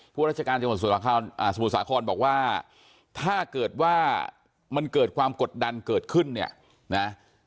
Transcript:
ราชการจังหวัดสมุทรสาครบอกว่าถ้าเกิดว่ามันเกิดความกดดันเกิดขึ้นเนี่ยนะ